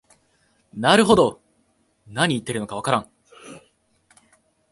なるほど、なに言ってるのかわからん